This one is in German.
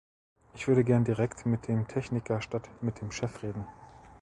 Ich würde gern direkt mit dem Techniker statt mit dem Chef reden.